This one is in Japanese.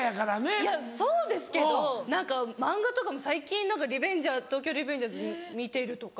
いやそうですけど何か漫画とかも最近『東京卍リベンジャーズ』見てるとか。